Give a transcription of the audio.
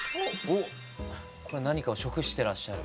何かを食してらっしゃる。